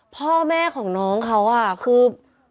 พ่อแม่ของน้องเขาคือ